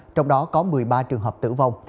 trong đó có một mươi ba trường hợp tử vong